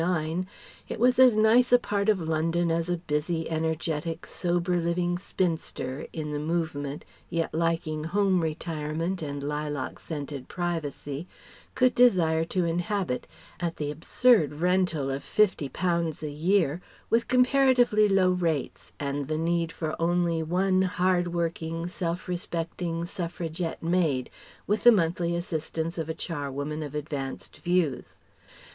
it was as nice a part of London as a busy, energetic, sober living spinster, in the movement, yet liking home retirement and lilac scented privacy could desire to inhabit, at the absurd rental of fifty pounds a year, with comparatively low rates, and the need for only one hard working, self respecting Suffragette maid, with the monthly assistance of a charwoman of advanced views.